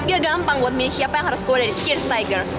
gak gampang buat misi siapa yang harus keluar dari cheers tiger